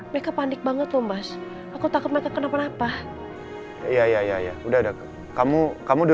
mereka panik banget loh mas aku takut mereka kenapa napa iya iya iya udah udah kamu kamu di